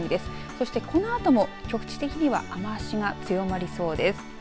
そして、このあとも局地的には雨足が強まりそうです。